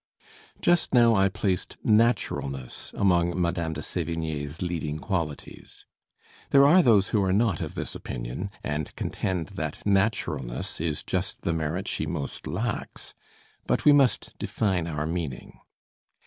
Just now I placed naturalness among Madame de Sévigné's leading qualities. There are those who are not of this opinion, and contend that naturalness is just the merit she most lacks; but we must define our meaning.